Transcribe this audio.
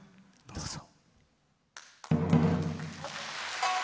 どうぞ。